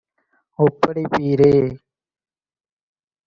ஒப்படைப்பீரே!